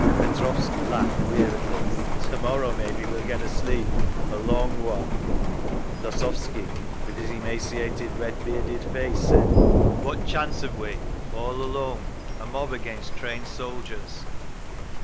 Petrovsky laughed weariedly, "To morrow maybe we'll get a sleep—a long one…." Lozovsky, with his emaciated, red bearded face, said, "What chance have we? All alone…. A mob against trained soldiers!"